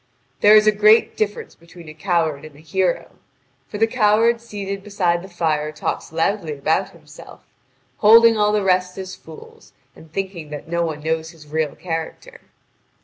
There is a great difference between a coward and a hero; for the coward seated beside the fire talks loudly about himself, holding all the rest as fools, and thinking that no one knows his real character.